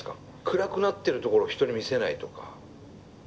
暗くなってるところを人に見せないとか。